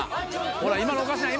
ほら今のおかしない！？